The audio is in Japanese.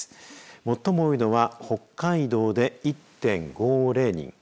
最も多いのは北海道で１．５０人。